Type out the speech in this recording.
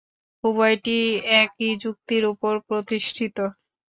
উভয়টিই একই যুক্তির উপর প্রতিষ্ঠিত।